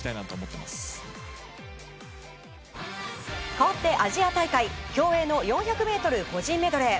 かわって、アジア大会競泳の４００ｍ個人メドレー。